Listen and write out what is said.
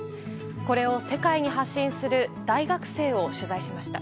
これを世界に発信する大学生を取材しました。